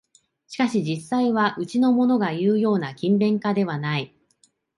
しかし実際はうちのものがいうような勤勉家ではない